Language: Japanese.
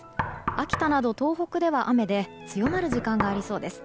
秋田など東北では雨で強まる時間がありそうです。